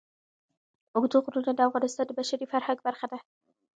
اوږده غرونه د افغانستان د بشري فرهنګ برخه ده.